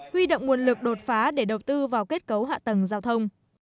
huy động nguồn lực đột phá để đầu tư vào kết cấu hạ tầng giao thông